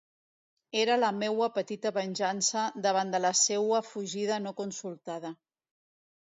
Era la meua petita venjança davant de la seua fugida no consultada.